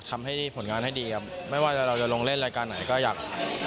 ทำให้ผลงานให้ดีครับไม่ว่าเราจะลงเล่นรายการไหนก็อยาก